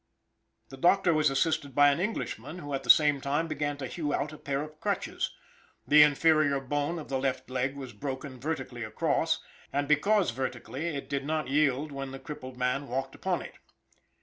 The doctor was assisted by an Englishman, who at the same time began to hew out a pair of crutches. The inferior bone of the left leg was broken vertically across, and because vertically it did not yield when the crippled man walked upon it.